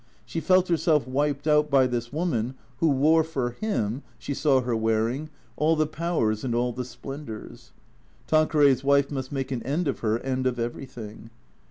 She felt herself wiped out by this woman who wore for him (she saw her wearing) all the powers and all the splendours. Tan queray's wife must make an end of her and of everything.